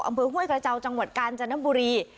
อำเภอห้วยกระเจ้าจังหวัดกาญจนบุรี